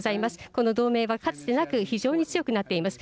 この同盟はかつてなく非常に強くなっています。